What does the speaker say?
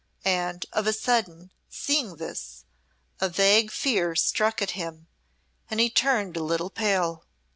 And, of a sudden, seeing this, a vague fear struck him and he turned a little pale.